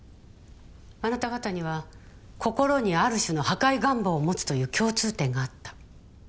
あなた方には心にある種の破壊願望を持つという共通点があった。